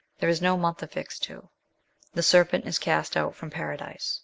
There is no month affixed to The Serpent is cast out from Paradise.